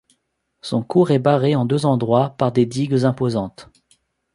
Son cours est barré en deux endroits par des digues imposantes.